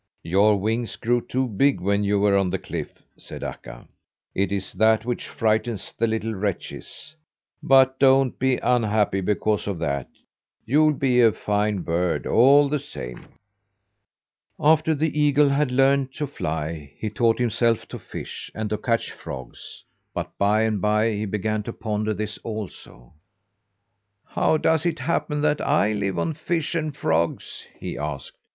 "Your wings grew too big when you were on the cliff," said Akka. "It is that which frightens the little wretches. But don't be unhappy because of that. You'll be a fine bird all the same." After the eagle had learned to fly, he taught himself to fish, and to catch frogs. But by and by he began to ponder this also. "How does it happen that I live on fish and frogs?" he asked.